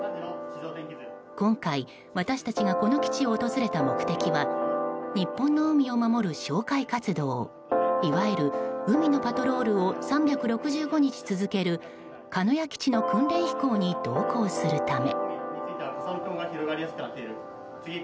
今回、私たちがこの基地を訪れた目的は日本の海を守る哨戒活動いわゆる海のパトロールを３６５日続ける、鹿屋基地の訓練飛行に同行するため。